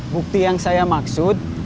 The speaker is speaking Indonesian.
bukti yang saya maksud